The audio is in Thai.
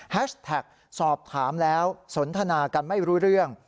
แท็กสอบถามแล้วสนทนากันไม่รู้เรื่อง